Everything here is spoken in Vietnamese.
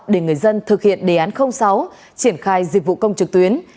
để người dân thực hiện đề án sáu triển khai dịch vụ công trực tuyến